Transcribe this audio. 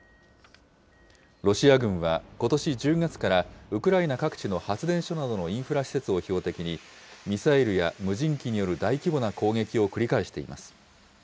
ロシア軍はことし１０月から、ウクライナ各地の発電所などのインフラ施設を標的に、ミサイルや無人機による大規模な攻撃を繰り返しています。